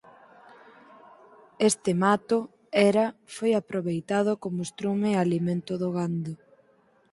Este mato era foi aproveitado coma estrume e alimento do gando.